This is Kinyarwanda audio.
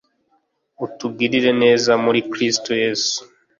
itugirira neza muri Kristo Yesu.